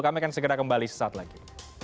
kami akan segera kembali sesaat lagi